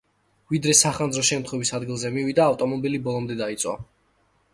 ვიდრე სახანძრო შემთხვევის ადგილზე მივიდა, ავტომობილი ბოლომდე დაიწვა.